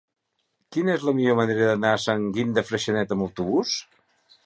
Quina és la millor manera d'anar a Sant Guim de Freixenet amb autobús?